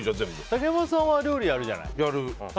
竹山さんは料理やるじゃない。